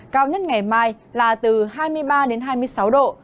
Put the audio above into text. cao nhất ngày mai là từ hai mươi ba đến hai mươi sáu độ